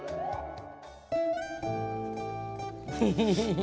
フフフフ！